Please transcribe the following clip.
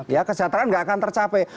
ya kesejahteraan nggak akan tercapai